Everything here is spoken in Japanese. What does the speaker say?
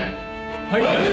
はい。